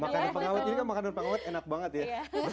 makanan pengawet ini kan makanan pengawet enak banget ya